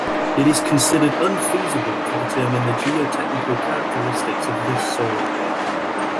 It is considered unfeasible to determine the geotechnical characteristics of this soil layer.